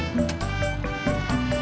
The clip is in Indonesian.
gak ada de